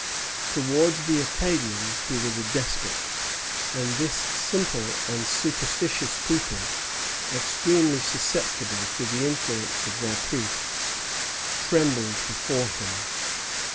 Towards the Acadians he was a despot; and this simple and superstitious people, extremely susceptible to the influence of their priests, trembled before him.